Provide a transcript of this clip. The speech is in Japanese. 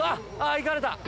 いかれた！